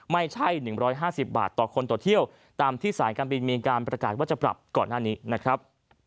ไม่ใช่๑๕๐บาทต่อคนต่อเที่ยวตามที่สายการบินมีการประกาศว่าจะปรับก่อนหน้านี้นะครับ